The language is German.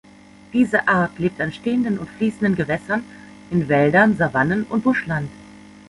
Diese Art lebt an stehenden und fließenden Gewässern in Wäldern, Savannen und Buschland.